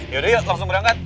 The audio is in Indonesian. yaudah yuk langsung berangkat